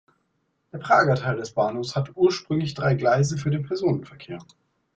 Der Prager Teil des Bahnhofs hatte ursprünglich drei Gleise für den Personenverkehr.